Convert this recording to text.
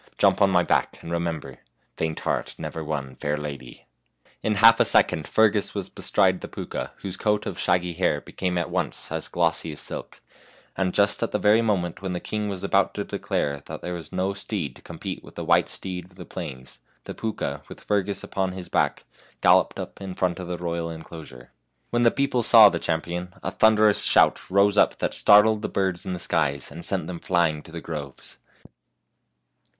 Jump on my back, and remember, f Faint heart never won fair lady.' " In half a second Fergus was bestride the Pooka, whose coat of shaggy hair became at once as glossy as silk, and just at the very moment when the king was about to declare there was no steed to compete with the white steed of the plains, the Pooka, with Fergus upon his back, galloped up in front of the royal in closure. When the people saw the champion a thun derous shout rose up that startled the birds in the skies, and sent them flying to the groves.